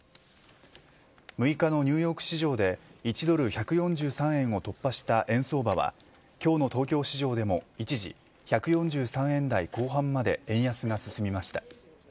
６日のニューヨーク市場で１ドル１４３円を突破した円相場は今日の東京市場でも一時１４３円台後半まで円安が進みました。